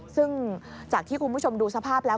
ซึ่งจากที่คุณผู้ชมดูสภาพแล้ว